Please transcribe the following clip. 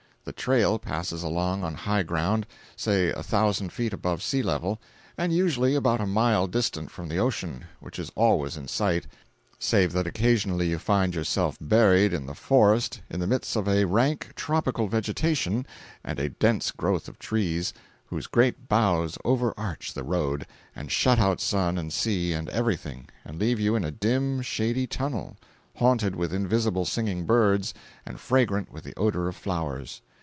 The trail passes along on high ground—say a thousand feet above sea level—and usually about a mile distant from the ocean, which is always in sight, save that occasionally you find yourself buried in the forest in the midst of a rank tropical vegetation and a dense growth of trees, whose great bows overarch the road and shut out sun and sea and everything, and leave you in a dim, shady tunnel, haunted with invisible singing birds and fragrant with the odor of flowers.